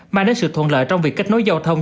mang đến sự thuận lợi trong việc kết nối giao thông